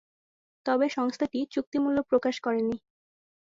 তবে সংস্থাটি চুক্তি মূল্য প্রকাশ করেনি।